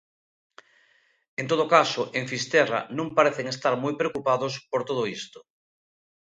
En todo caso, en Fisterra non parecen estar moi preocupados por todo isto.